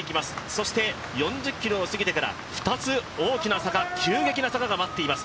そして４０ｋｍを過ぎてから２つ大きな坂急激な坂が待っています。